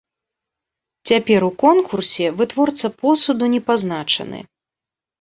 Цяпер у конкурсе вытворца посуду не пазначаны.